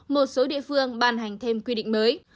một số địa phương ban hành thêm quy định mới